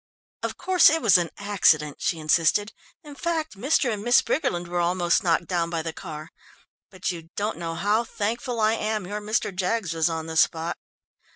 "Of course it was an accident," she insisted, "in fact, Mr. and Miss Briggerland were almost knocked down by the car. But you don't know how thankful I am your Mr. Jaggs was on the spot."